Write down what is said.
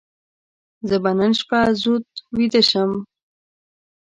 زه به نن شپه زود ویده شم.